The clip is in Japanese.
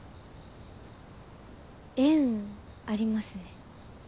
縁ありますね。